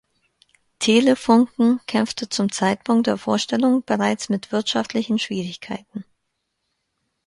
Telefunken kämpfte zum Zeitpunkt der Vorstellung bereits mit wirtschaftlichen Schwierigkeiten.